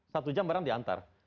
satu jam barang diantar